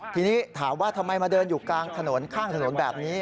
ทีนี้ถามว่าทำไมมาเดินอยู่กลางถนนข้างถนนแบบนี้